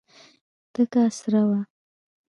تکه سره وه.